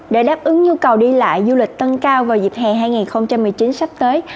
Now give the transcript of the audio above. để đáp ứng nhu cầu đi lại du lịch tăng cao vào dịp hè hai nghìn một mươi chín sắp tới